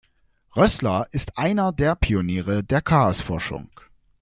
Rössler ist einer der Pioniere der Chaosforschung.